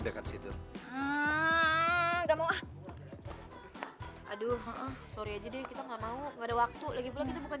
dia ngerayu rayu kita mau ajakin tidur